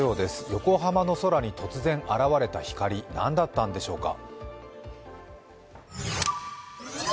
横浜の空に突然現れた光何だったんでしょうか。